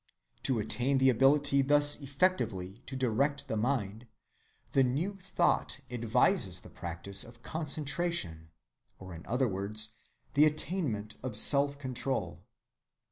(58) To attain the ability thus effectively to direct the mind, the New Thought advises the practice of concentration, or in other words, the attainment of self‐control.